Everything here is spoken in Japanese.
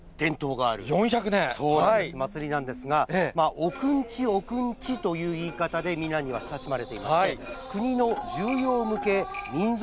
そうなんです、お祭りなんですが、おくんち、おくんちという言い方で皆には親しまれていまして、国の重要無形民俗